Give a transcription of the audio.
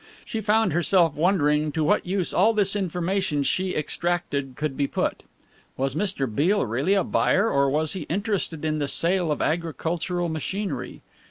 She found herself wondering to what use all this information she extracted could be put. Was Mr. Beale really a buyer or was he interested in the sale of agricultural machinery?